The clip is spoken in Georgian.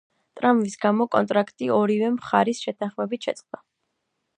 ტრავმის გამო კონტრაქტი ორივე მხარის შეთანხმებით შეწყდა.